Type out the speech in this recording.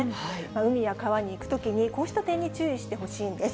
海や川に行くときに、こうした点に注意してほしいんです。